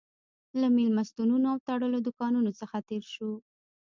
له مېلمستونونو او تړلو دوکانونو څخه تېر شوو.